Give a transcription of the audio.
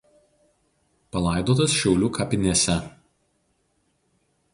Palaidotas Šiaulių kapinėse.